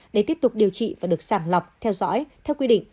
để tiếp tục điều trị và được sàng lọc theo dõi theo quy định